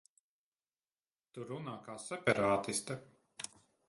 Tu runā kā separātiste.